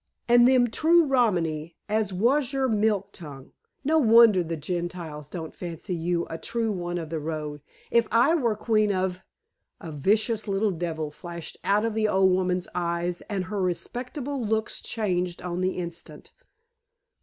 "And them true Romany as was your milk tongue. No wonder the Gentiles don't fancy you a true one of the road. If I were queen of " A vicious little devil flashed out of the old woman's eyes, and her respectable looks changed on the instant.